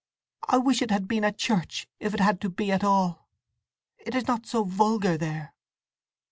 I wish it had been at church, if it had to be at all. It is not so vulgar there!"